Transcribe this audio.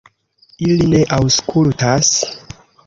Ili ne aŭskultas.